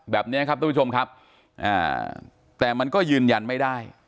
แบบนี้ครับทุกผู้ชมครับแต่มันก็ยืนยันไม่ได้